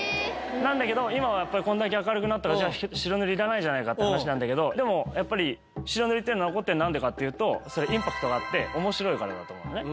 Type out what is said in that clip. なんだけど今はこんだけ明るくなったから白塗りいらないじゃないかって話なんだけどでもやっぱり白塗りが残ってるの何でかっていうとインパクトがあって面白いからだと思うのね。